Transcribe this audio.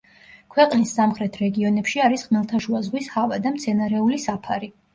ქვეყნის სამხრეთ რეგიონებში არის ხმელთაშუა ზღვის ჰავა და მცენარეული საფარი.